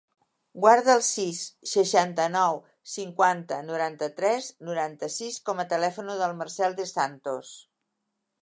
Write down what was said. Guarda el sis, seixanta-nou, cinquanta, noranta-tres, noranta-sis com a telèfon del Marcèl De Santos.